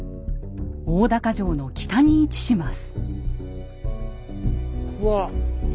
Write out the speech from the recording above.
大高城の北に位置します。